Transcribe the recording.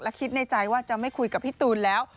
และคิดในใจว่าจะไม่คุยกับพี่ตูนแล้ว